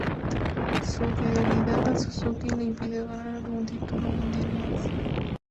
Su fidelidad a Suzuki le impidió ganar algún título mundial más.